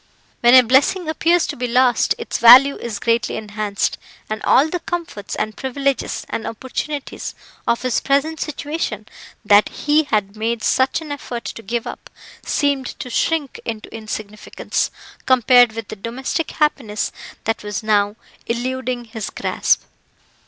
When a blessing appears to be lost its value is greatly enhanced, and all the comforts, and privileges, and opportunities, of his present situation, that he had made such an effort to give up, seemed to shrink into insignificance, compared with the domestic happiness that was now eluding his grasp.